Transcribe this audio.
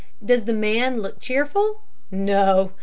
] Does the man look cheerful? No.